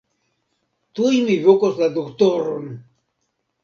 Tuj mi vokos la doktoron.